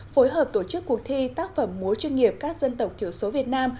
phối hợp tổ chức cuộc thi tác phẩm múa chuyên nghiệp các dân tộc thiểu số việt nam